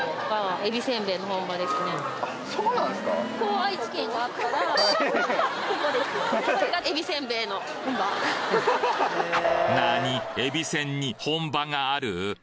えびせんに本場がある？